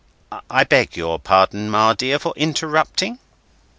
—I beg your pardon, Ma dear, for interrupting."